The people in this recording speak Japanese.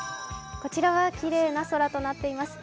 こちらはきれいな空となっていますね。